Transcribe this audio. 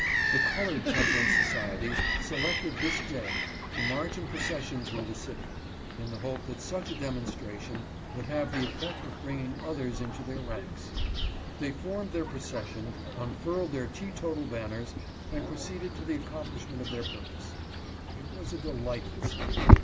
The colored temperance societies selected this day to march in procession through the city, in the hope that such a demonstration would have the effect of bringing others into their ranks. They formed their procession, unfurled their teetotal banners, and proceed ed to the accomplishment of their purpose. It was a delightful sight.